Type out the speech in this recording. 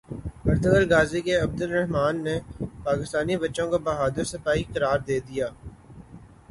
Ertugrul Ghazi کے عبدالرحمن نے پاکستانی بچوں کو بہادر سپاہی قرار دے دیا